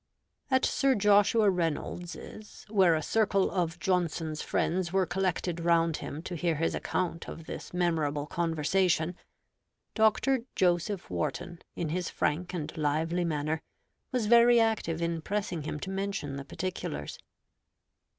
At Sir Joshua Reynolds's, where a circle of Johnson's friends were collected round him to hear his account of this memorable conversation, Dr. Joseph Warton, in his frank and lively manner, was very active in pressing him to mention the particulars.